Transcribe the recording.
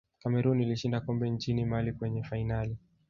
cameroon ilishinda kombe nchini mali kwenye fainali